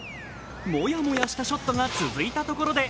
もやもやしたショットが続いたところで、